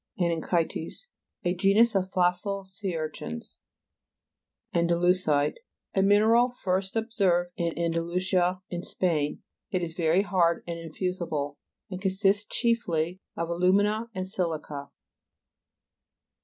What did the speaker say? ANAN'CHYTES A genus of fossil sea urchins, p. 62. ANDALU'SITE A mineral first ob served in Andalusia in Spain. It is very hard and infusible, and consists chiefly of alu'mina and si'lica.